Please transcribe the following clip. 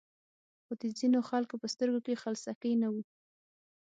خو د ځینو خلکو په سترګو کې خلسکی نه و.